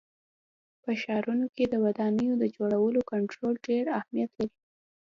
په ښارونو کې د ودانیو د جوړولو کنټرول ډېر اهمیت لري.